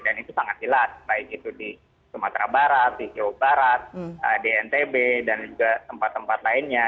dan itu sangat jelas baik itu di sumatera barat di jawa barat di ntb dan juga tempat tempat lainnya